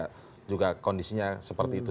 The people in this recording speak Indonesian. dari berbagai survei juga kondisinya seperti itu